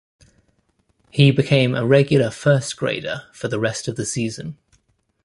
He became a regular first-grader for the rest of the season.